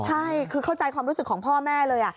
ใช่คือเข้าใจความรู้สึกของพ่อแม่เลย